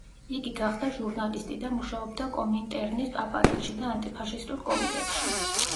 იგი გახდა ჟურნალისტი და მუშაობდა კომინტერნის აპარატში და ანტიფაშისტურ კომიტეტში.